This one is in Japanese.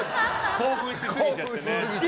興奮しすぎちゃって。